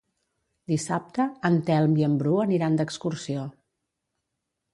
Dissabte en Telm i en Bru aniran d'excursió.